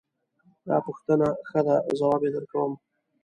د تا پوښتنه ښه ده ځواب یې درکوم